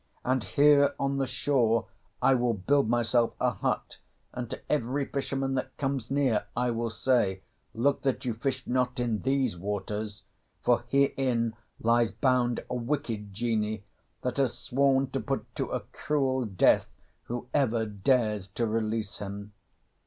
And here on the shore I will build myself a hut, and to every fisherman that comes near I will say, 'Look that you fish not in these waters, for herein lies bound a wicked genie that has sworn to put to a cruel death whoever dares to release him.'"